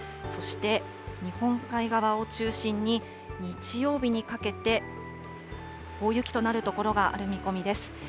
そして日本海側を中心に、日曜日にかけて、大雪となる所がある見込みです。